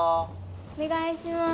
おねがいします。